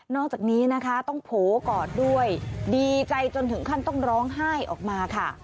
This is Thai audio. อกจากนี้นะคะต้องโผล่กอดด้วยดีใจจนถึงขั้นต้องร้องไห้ออกมาค่ะ